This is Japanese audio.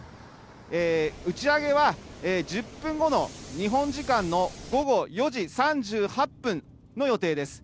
打ち上げは１０分後の日本時間の午後４時３８分の予定です。